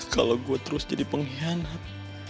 kalau gue terus jadi pengkhianat